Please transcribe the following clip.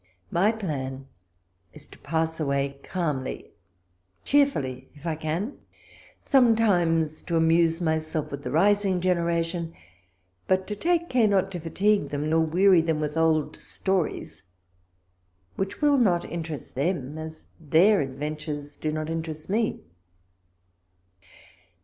My plan is to pass away calmly ; cheerfully if I can ; sometimes to amuse 154 WALPOLE S LETTERS. myself with the rising generation, but to take care not to fatigue them, nor weary them with old stories, which will not interest them, as their adventures do not interest me.